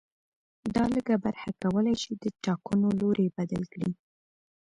دا لږه برخه کولای شي چې د ټاکنو لوری بدل کړي